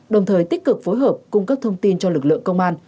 đồng thời tích cực phối hợp cung cấp thông tin cho lực lượng công an